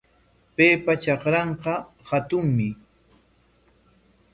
Paypa trakranqa hatunmi.